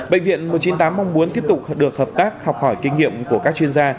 bệnh viện một trăm chín mươi tám mong muốn tiếp tục được hợp tác học hỏi kinh nghiệm của các chuyên gia